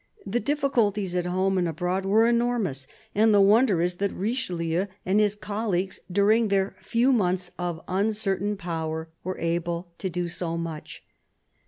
The difficulties, at home and abroad, were enormous, and the wonder is that Richelieu and his colleagues, during their few months of uncertain power, were able to do so much.